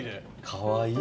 かわいい！